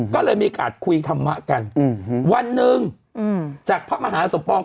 ก็เลยมีการคุยธรรมะกันวันหนึ่งจากพระมหาสมปอง